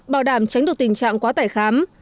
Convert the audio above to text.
bảo đảm tránh được tình trạng quá tải khám